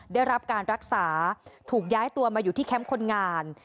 ได้รับการรักษาถูกย้ายตัวมาอยู่ที่แคมป์คนงาน